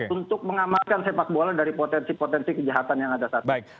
untuk mengamankan sepak bola dari potensi potensi kejahatan yang ada saat ini